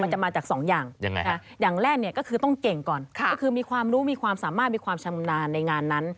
จะมาจากสองอย่างอย่างแรกเนี่ยก็คือต้องเก่งก่อนก็คือมีความรู้มีความสามารถมีความชำนาญในงานนั้น